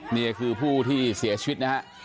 นี่คือผู้ที่เสียชีวิตนะฮะ